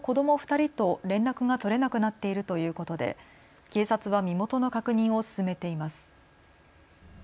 ２人と連絡が取れなくなっているということで警察は身元の確認を進めています。